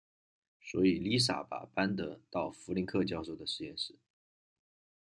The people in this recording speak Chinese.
所以丽莎把班德到弗林克教授的实验室。